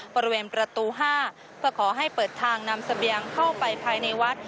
บริเวณประตู๕เพื่อขอให้เปิดทางนำเสบียงเข้าไปภายในวัด